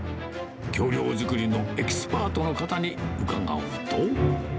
橋りょう作りのエキスパートの方に伺うと。